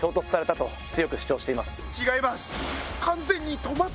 違います！